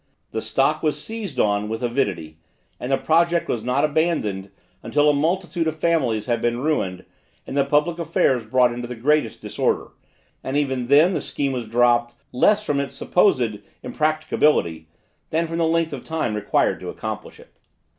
The stock was seized on with avidity, and the project was not abandoned until a multitude of families had been ruined, and the public affairs brought into the greatest disorder; and even then the scheme was dropped, less from its supposed impracticability, than from the length of time required to accomplish it.